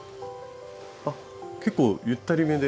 あっ結構ゆったりめで。